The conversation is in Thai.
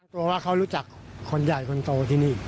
ตัวว่าเขารู้จักคนใหญ่คนโตที่นี่